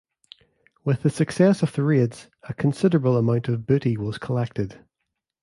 With the success of the raids, a considerable amount of booty was collected.